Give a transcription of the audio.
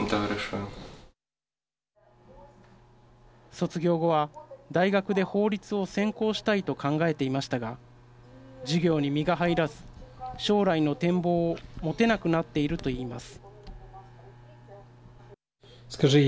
卒業後は大学で法律を専攻したいと考えていましたが授業に身が入らず将来の展望を持てなくなっていると言います。